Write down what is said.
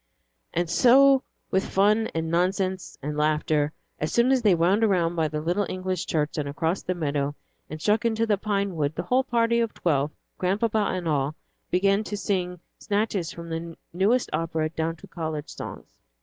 And so with fun and nonsense and laughter, as soon as they wound around by the little English church and across the meadows, and struck into the pine wood, the whole party of twelve, Grandpapa and all, began to sing snatches from the newest operas down to college songs.